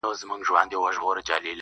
د خپل يار له وينو څوك ايږدي خالونه!.